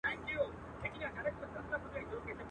د ګوتم بده مئین نڅاکر انند؛ یوه ورځ له خپل ګورو څخه و پوښتل